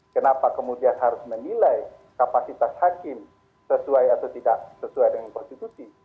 kenapa kemudian harus menilai kapasitas hakim sesuai atau tidak sesuai dengan konstitusi